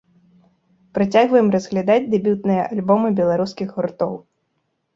Працягваем разглядаць дэбютныя альбомы беларускіх гуртоў.